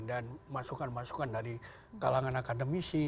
dan masukan masukan dari kalangan akademisi